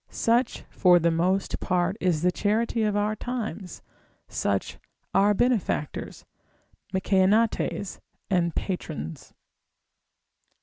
Such for the most part is the charity of our times, such our benefactors, Mecaenates and patrons.